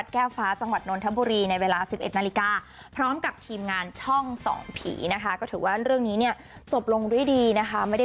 ค่ะอ่อส่วนตัวพี่บ๊วยไม่ติดใจเค้าแล้วเนาะ